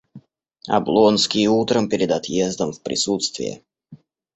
Облонский утром перед отъездом в присутствие.